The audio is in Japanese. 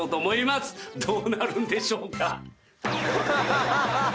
どうなるんでしょうか？